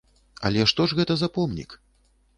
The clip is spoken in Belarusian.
Але што ж гэта за помнік?